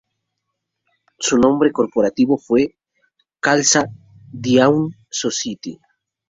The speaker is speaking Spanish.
Su nombre corporativo fue "Khalsa Diwan Society".